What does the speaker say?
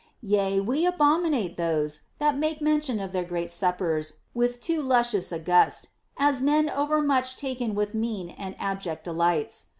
Yea, we abominate those that make mention of their great suppers with too luscious a gust, as men overmuch taken with mean and abject delights.